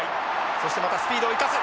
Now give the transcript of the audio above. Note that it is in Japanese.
そしてまたスピードを生かす。